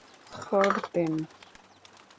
করতেন ।